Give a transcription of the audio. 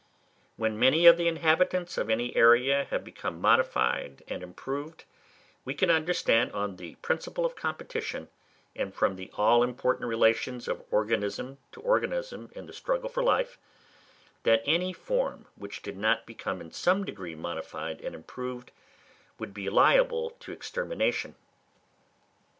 When many of the inhabitants of any area have become modified and improved, we can understand, on the principle of competition, and from the all important relations of organism to organism in the struggle for life, that any form which did not become in some degree modified and improved, would be liable to extermination.